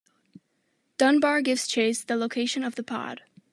Dunbar gives Chase the location of the pod.